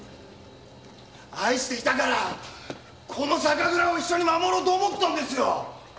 愛していたからこの酒蔵を一緒に守ろうと思ったんですよ！